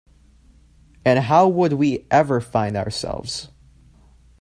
And how would we ever find ourselves.